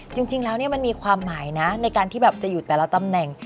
จริงแล้วมันมีความหมายนะในการที่แบบจะอยู่แต่ละตำแหน่ง